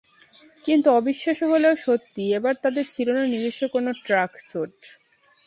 কিন্তু অবিশ্বাস্য হলেও সত্যি, এবার তাঁদের ছিল না নিজস্ব কোনো ট্র্যাকসুট।